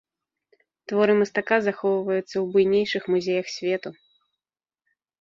Творы мастака, захоўваюцца ў буйнейшых музеях свету.